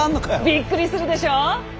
びっくりするでしょ？